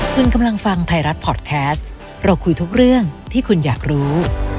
คุณกำลังฟังไทยรัฐพอร์ตแคสต์เราคุยทุกเรื่องที่คุณอยากรู้